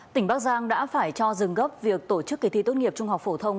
tỉnh bắc giang đã phải cho dừng gấp việc tổ chức kỳ thi tốt nghiệp trung học phổ thông